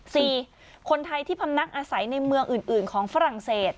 คนไทยที่พำนักอาศัยในเมืองอื่นอื่นของฝรั่งเศส